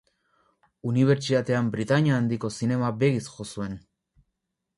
Unibertsitatean Britania Handiko zinema begiz jo zuen.